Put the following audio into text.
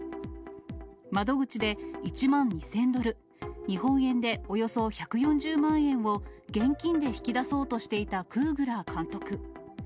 窓口で、１万２０００ドル、日本円でおよそ１４０万円を現金で引き出そうとしていたクーグラー監督。